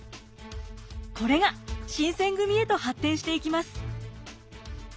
これが新選組へと発展していきます。